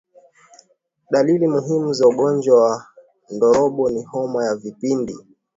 Dalili muhimu za ugonjwa wa ndorobo ni homa ya vipindi